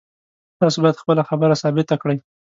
تاسو باید خپله خبره ثابته کړئ